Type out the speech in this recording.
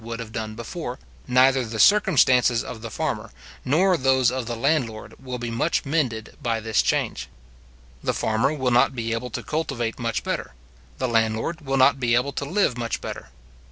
would have done before, neither the circumstances of the farmer, nor those of the landlord, will be much mended by this change. The farmer will not be able to cultivate much better; the landlord will not be able to live much better.